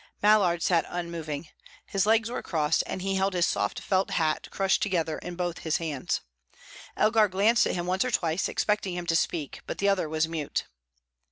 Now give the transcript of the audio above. Mallard sat unmoving. His legs were crossed, and he held his soft felt hat crushed together in both his hands. Elgar glanced at him once or twice, expecting him to speak, but the other was mute.